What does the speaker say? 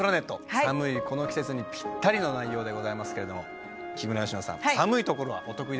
寒いこの季節にぴったりの内容でございますけれど木村佳乃さん寒い所はお得意でしょうか？